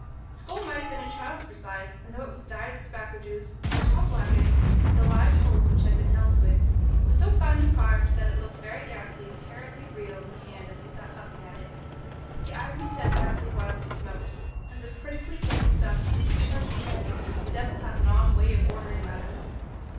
The skull might have been a child's for size, and though it was dyed with tobacco juice and the top blackened, with the live coals which had been held to it, it was so finely carved that it looked very ghastly and terribly real in his hand as he sat puffing at it. He eyed me steadfastly whilst he smoked, as if critically taking stock of me, and presently said, "The devil hath an odd way of ordering matters.